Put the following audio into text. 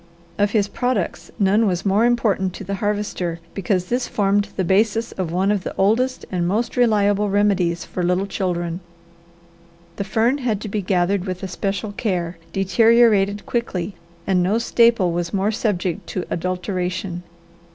Of his products none was more important to the Harvester because this formed the basis of one of the oldest and most reliable remedies for little children. The fern had to be gathered with especial care, deteriorated quickly, and no staple was more subject to adulteration.